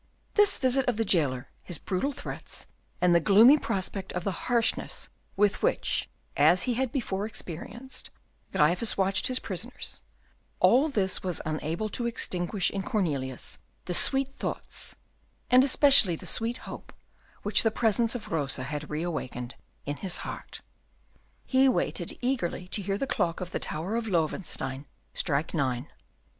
This visit of the jailer, his brutal threats, and the gloomy prospect of the harshness with which, as he had before experienced, Gryphus watched his prisoners, all this was unable to extinguish in Cornelius the sweet thoughts, and especially the sweet hope, which the presence of Rosa had reawakened in his heart. He waited eagerly to hear the clock of the tower of Loewestein strike nine.